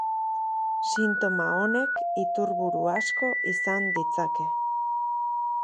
Sintoma honek iturburu asko izan ditzake.